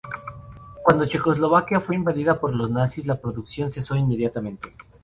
Cuando Checoslovaquia fue invadida por los Nazis, la producción cesó inmediatamente.